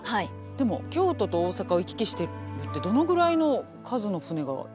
でも京都と大阪を行き来してるってどのぐらいの数の船が行き来していたのかしら？